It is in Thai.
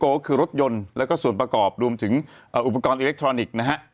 ก็คือรถยนต์แล้วก็ส่วนประกอบรวมถึงอุปกรณ์อิเล็กทรอนิกส์นะฮะ